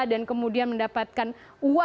dan kemudian mendapatkan uang oleh perusahaan